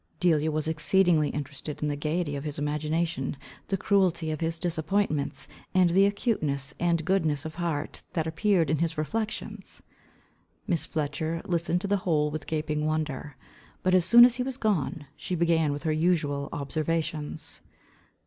Delia was exceedingly interested in the gaiety of his imagination, the cruelty of his disappointments, and the acuteness, and goodness of heart that appeared in his reflections. Miss Fletcher listened to the whole with gaping wonder. But as soon as he was gone, she began with her usual observations.